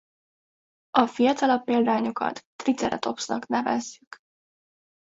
A fiatalabb példányokat Triceratopsnak nevezzük.